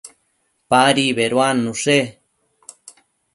Padi beduannushe